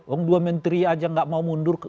orang dua menteri saja tidak mau mundur